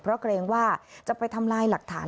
เพราะเกรงว่าจะไปทำลายหลักฐาน